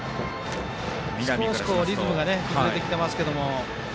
少しリズムが崩れてきてますけど。